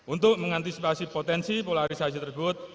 untuk mengantisipasi potensi polarisasi tersebut